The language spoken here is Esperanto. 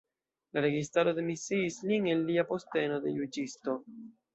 La registaro demisiis lin el lia posteno de juĝisto.